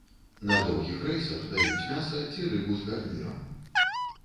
На доўгіх рэйсах даюць мяса ці рыбу з гарнірам.